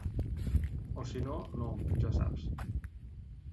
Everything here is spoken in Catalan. O si no, no, ja saps.